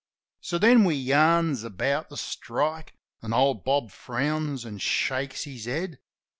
So then we yarns about the strike. An' old Bob frowns an' shakes his head.